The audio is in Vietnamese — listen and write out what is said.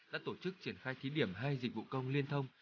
đã tổ chức triển khai thí điểm hai dịch vụ công liên thông